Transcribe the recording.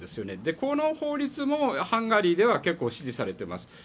この法律もハンガリーでは結構支持されています。